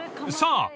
［さあ